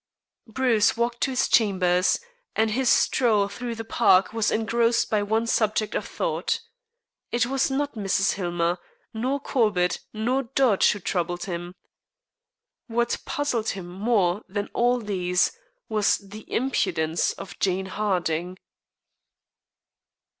Bruce walked to his chambers, and his stroll through the parks was engrossed by one subject of thought. It was not Mrs. Hillmer, nor Corbett, nor Dodge who troubled him. What puzzled him more than all else was the "impidence" of Jane Harding.